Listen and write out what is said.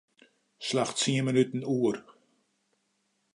Slach tsien minuten oer.